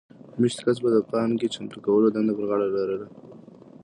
مېشت کس به د پانګې چمتو کولو دنده پر غاړه لرله